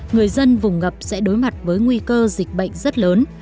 người dân vùng ngập sẽ đối mặt với nguy cơ dịch bệnh rất lớn